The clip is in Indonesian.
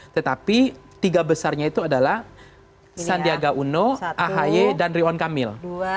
tetapi tiga besarnya itu adalah sandiaga uno ahy dan rion kamil